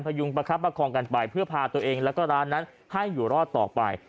ยุงประคับประคองกันไปเพื่อพาตัวเองแล้วก็ร้านนั้นให้อยู่รอดต่อไป